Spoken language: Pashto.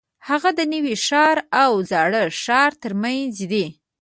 هغه د نوي ښار او زاړه ښار ترمنځ دی.